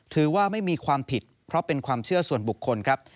ถือว่าไม่มีความผิดเพราะเป็นความเชื่อส่วนบุคคลครับ